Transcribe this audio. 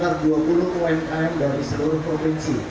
dan juga ada sekitar dua puluh umkm dari seluruh provinsi